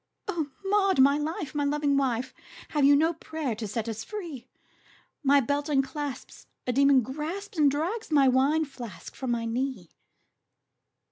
"O Maud, my life! my loving wife! Have you no prayer to set us free? My belt unclasps, a demon grasps And drags my wine flask from my knee!"